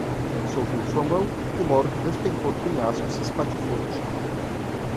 Soltou sua mão, de modo que despencou do penhasco e se espatifou no chão